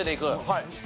はい。